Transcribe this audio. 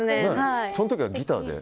その時はギターで？